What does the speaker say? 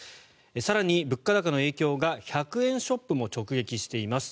更に物価高の影響が１００円ショップも直撃しています。